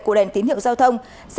của đèn tín hiệu giao thông